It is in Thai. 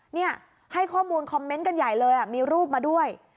นี่ให้ข้อมูลคอมเมนต์กันใหญ่เลยมีรูปมาด้วย